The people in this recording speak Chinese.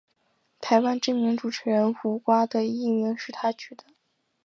台湾知名主持人胡瓜的艺名是他取的。